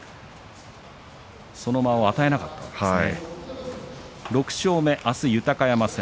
その間を与えなかったんですね。